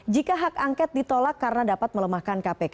jika hak angket ditolak karena dapat melemahkan kpk